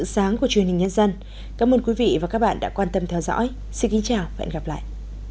xin chào và hẹn gặp lại